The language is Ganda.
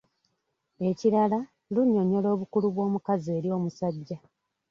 Ekirala, lunnyonnyola obukulu bw’omukazi eri omusajja